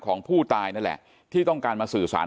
ของผู้ตายนั่นแหละที่ต้องการมาสื่อสาร